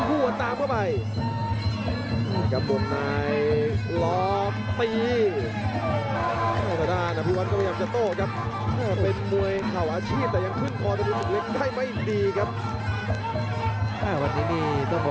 ด้วยสะเทือนครับ